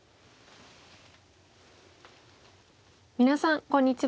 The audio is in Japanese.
皆さんこんにちは。